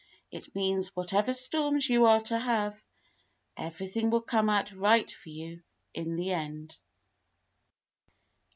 It means whatever storms you are to have, everything will come out right for you in the end."